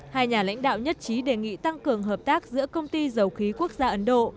hai nhà lãnh đạo nhất trí đề nghị tăng cường hợp tác giữa công ty dầu khí quốc gia ấn độ